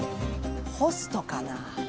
ホストかな？